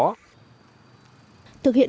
thực hiện chủ trương